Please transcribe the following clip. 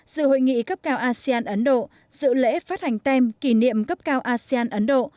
dự hội nghị cấp cao asean ấn độ dự lễ phát hành tem kỷ niệm cấp cao asean ấn độ